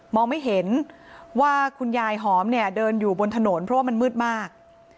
องไม่เห็นว่าคุณยายหอมเนี่ยเดินอยู่บนถนนเพราะว่ามันมืดมาก